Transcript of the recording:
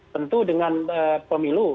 tentu dengan pemilu